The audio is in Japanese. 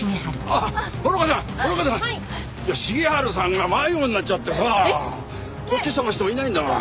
いや重治さんが迷子になっちゃってさこっち捜してもいないんだわ。